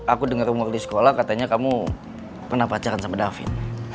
aku denger rumor disekolah katanya kamu pernah pacaran sama davin